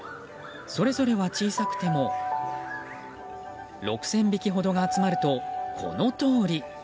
それぞれは小さくても６０００匹ほどが集まるとこのとおり。